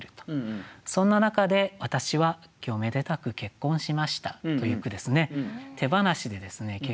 そんな中で私は今日めでたく結婚しましたという句ですね。